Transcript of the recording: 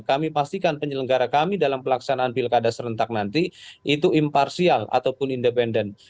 kami pastikan penyelenggara kami dalam pelaksanaan pilkada serentak nanti itu imparsial ataupun independen